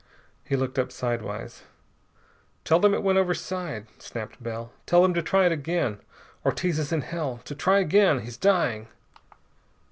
He looked up sidewise. "Tell them it went overside," snapped Bell. "Tell them to try it again. Ortiz is in hell! To try again! He's dying!"